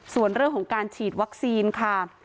ส่วนเรื่องของการฉีดวัคซีนค่ะ